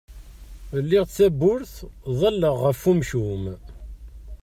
Ldiɣ tabburt, ḍalleɣ ɣef umcum.